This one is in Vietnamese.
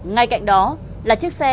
ngay cạnh đó là chiếc xe